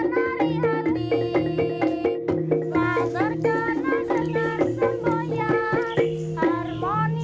harmoni ketiri petola budaya ketiri sangat menari hati